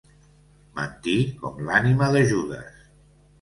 Mentir com l'ànima de Judes.